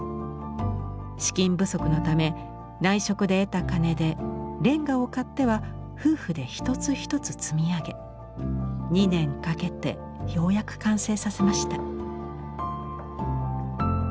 資金不足のため内職で得た金でレンガを買っては夫婦で一つ一つ積み上げ２年かけてようやく完成させました。